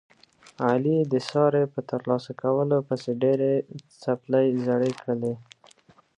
علي د سارې په ترلاسه کولو پسې ډېرې څپلۍ زړې کړلې.